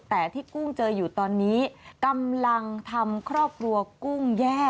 แต่ที่กุ้งเจออยู่ตอนนี้กำลังทำครอบครัวกุ้งแย่